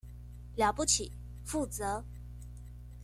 了不起，負責